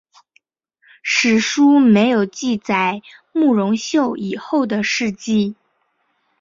史书没有记载慕容秀以后的事迹。